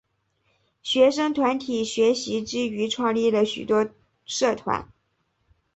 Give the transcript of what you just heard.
学生团体学习之余创立了许多社团。